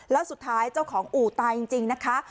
แล้วสุดท้ายเจ้าของอู่ตายจริงนะคะ